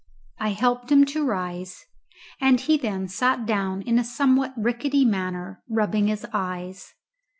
I helped him to rise, and he then sat down in a somewhat rickety manner, rubbing his eyes.